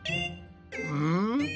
うん？